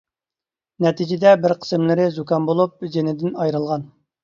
نەتىجىدە بىر قىسىملىرى زۇكام بولۇپ جېنىدىن ئايرىلغان.